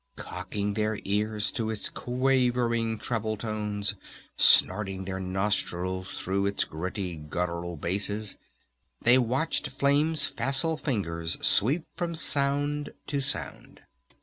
Cocking their ears to its quavering treble notes, snorting their nostrils through its gritty guttural basses, they watched Flame's facile fingers sweep from sound to sound.